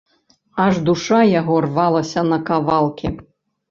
Аж душа яго рвалася на кавалкі.